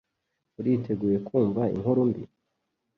Uriteguye kumva inkuru mbi?